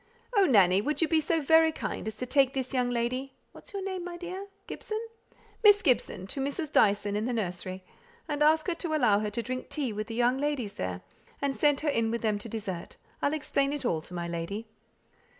Oh, Nanny, would you be so very kind as to take this young lady (what's your name, my dear? Gibson?), Miss Gibson, to Mrs. Dyson, in the nursery, and ask her to allow her to drink tea with the young ladies there; and to send her in with them to dessert. I'll explain it all to my lady."